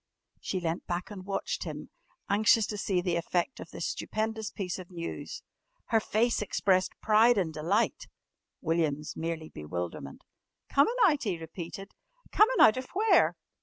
She leant back and watched him, anxious to see the effect of this stupendous piece of news. Her face expressed pride and delight, William's merely bewilderment. "Comin' out?" he repeated. "Comin' out of where?"